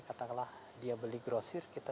katakanlah dia beli grosir kita